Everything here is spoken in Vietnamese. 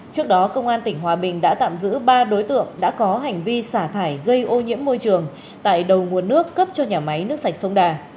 trước đó công an tỉnh hòa bình đã tạm giữ ba đối tượng đã có hành vi xả thải gây ô nhiễm môi trường tại đầu nguồn nước cấp cho nhà máy nước sạch sông đà